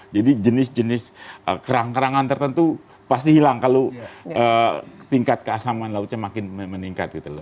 jadi jenis jenis kerang kerangan tertentu pasti hilang kalau tingkat keasaman lautnya makin meningkat gitu loh